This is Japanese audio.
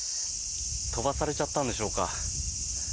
飛ばされちゃったんでしょうか。